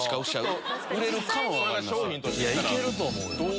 いけると思うよ。